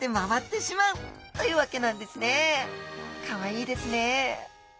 かわいいですね